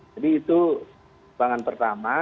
jadi itu pertimbangan pertama